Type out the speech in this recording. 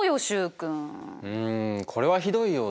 うんこれはひどいよ。